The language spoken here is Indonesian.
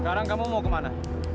sekarang kamu mau ke mana